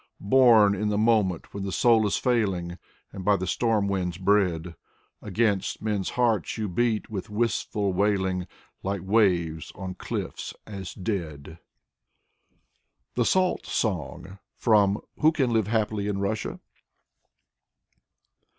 Bom in the moment when the soul is failing, And by the storm winds bred; Against men's hearts you beat with wistful wailing Like waves on cliffs as dead. >i Nikolai Nekrasov 33 THE SALT SONG (From "Who Can Live Happily in Russia?")